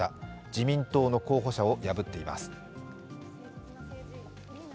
自民党の候補者を破っています。